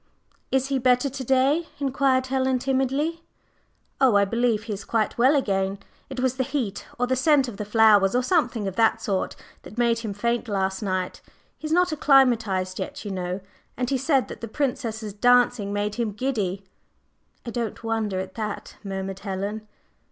"Is he better to day?" inquired Helen timidly. "Oh, I believe he is quite well again. It was the heat or the scent of the flowers, or something of that sort, that made him faint last night. He is not acclimatized yet, you know. And he said that the Princess's dancing made him giddy." "I don't wonder at that," murmured Helen.